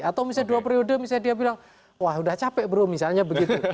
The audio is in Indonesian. atau misalnya dua periode misalnya dia bilang wah udah capek bro misalnya begitu